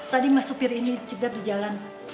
tadi mas supir ini dicegat di jalan